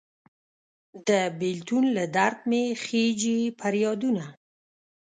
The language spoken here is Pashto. د بیلتون له درد مې خیژي پریادونه